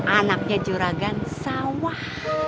anaknya juragan sawah